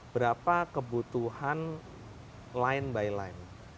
berapa kebutuhan line by line